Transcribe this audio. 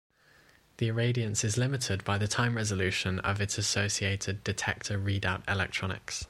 The irradiance is limited by the time resolution of its associated detector readout electronics.